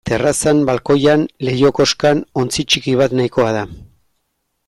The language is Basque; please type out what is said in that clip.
Terrazan, balkoian, leiho-koskan ontzi ttiki bat nahikoa da.